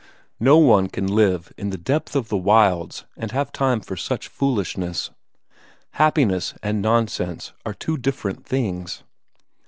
No one can live in the depth of the wilds and have time for such foolishness. Happiness and nonsense are two different things.